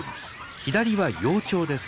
左は幼鳥です。